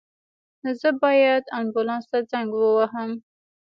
زه باید آنبولاس ته زنګ ووهم